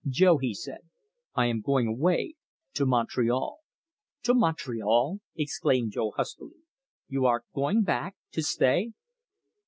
"Jo," he said, "I am going away to Montreal." "To Montreal!" exclaimed Jo huskily. "You are going back to stay?"